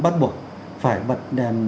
bắt buộc phải bật đèn